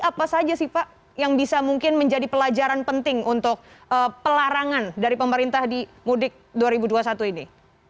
apa saja sih pak yang bisa mungkin menjadi pelajaran penting untuk pelarangan dari pemerintah di mudik dua ribu dua puluh satu ini